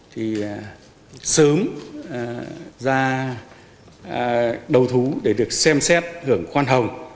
thì sớm ra đầu thú để được xem xét hưởng khoan hồng